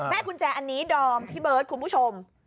กุญแจอันนี้ดอมพี่เบิร์ดคุณผู้ชม